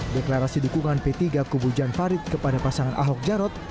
deklarasi dukungan p tiga kubu jan farid kepada pasangan ahok jarot